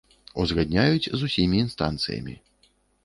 Узгадняюць з усімі інстанцыямі.